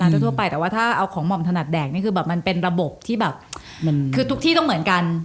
ทั่วไปแต่ว่าถ้าเอาของหม่อมถนัดแดกนี่คือแบบมันเป็นระบบที่แบบคือทุกที่ต้องเหมือนกัน